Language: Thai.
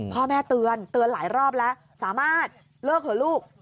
พ่อแม่เตือนเตือนหลายรอบแล้วสามารถเลิกเถอะลูก